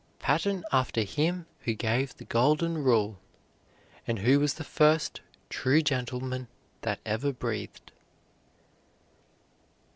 Pattern after Him who gave the Golden Rule, and who was the first true gentleman that ever breathed.